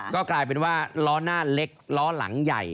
ก็กลายเป็นว่าล้อหน้าเล็กล้อหลังใหญ่